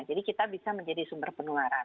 jadi kita bisa menjadi sumber penularan